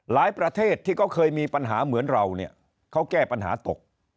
ประเทศที่เขาเคยมีปัญหาเหมือนเราเนี่ยเขาแก้ปัญหาตก